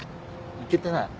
行けてない。